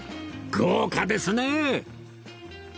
豪華ですね